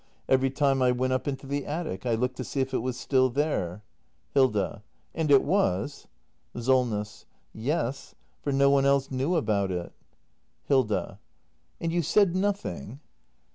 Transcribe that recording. Every time I went up into the attic, I looked to see if it was still there. Hilda. And it was? Solness. Yes; for no one else knew about it. 360 THE MASTER BUILDER [act ii Hilda. And you said nothing